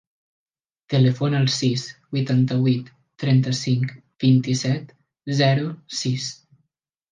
Telefona al sis, vuitanta-vuit, trenta-cinc, vint-i-set, zero, sis.